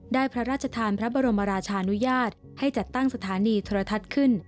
พระราชทานพระบรมราชานุญาตให้จัดตั้งสถานีโทรทัศน์ขึ้น